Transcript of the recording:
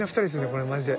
これマジで。